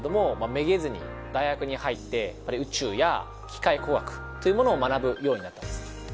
めげずに大学に入って宇宙や機械工学というものを学ぶようになったんですね。